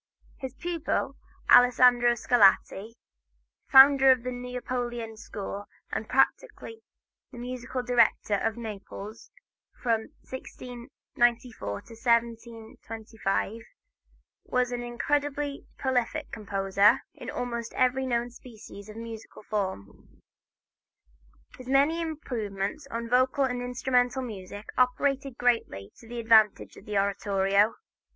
His pupil, Alessandro Scarlatti, founder of the Neapolitan school and practically the musical dictator of Naples, from 1694 to 1725, was an incredibly prolific composer in almost every known species of musical form. His many improvements in vocal and instrumental music operated greatly to the advantage of the oratorio.